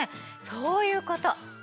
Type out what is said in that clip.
そういうこと。